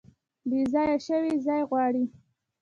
بیځایه شوي ځای غواړي